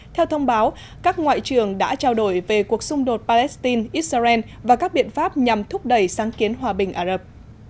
theo thông báo các ngoại trưởng đã trao đổi về cuộc xung đột palestine israel và các biện pháp nhằm thúc đẩy sáng kiến hòa bình ả rập